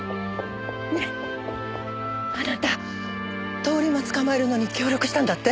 通り魔捕まえるのに協力したんだって？